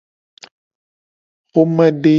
Xomade.